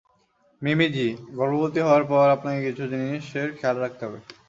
মিমি জি, গর্ভবতী হওয়ার পর আপনাকে কিছু জিনিসের খেয়াল রাখতে হবে।